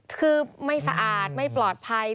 คือไม่สะอาดไม่ปลอดภัย